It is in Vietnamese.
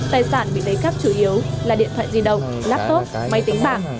tài sản bị lấy cắp chủ yếu là điện thoại di động laptop máy tính bảng